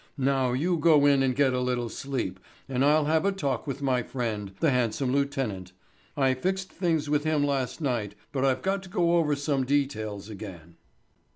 Now you go in and get a little sleep and I'll have a talk with my friend, the handsome lieutenant. I fixed things with him last night, but I've got to go over some details again."